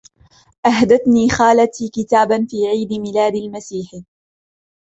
أهدتني خالتي كتابًا في عيد ميلاد المسيح.